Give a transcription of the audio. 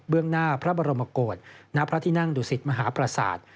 หน้าพระบรมโกศณพระที่นั่งดุสิตมหาประสาท